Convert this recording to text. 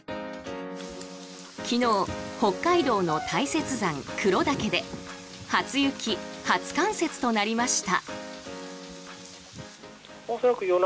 昨日、北海道の大雪山黒岳で初雪、初冠雪となりました。